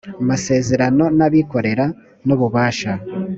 masezerano n abikorera n ububasha